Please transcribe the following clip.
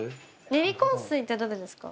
練り香水ってどれですか。